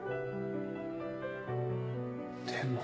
でも。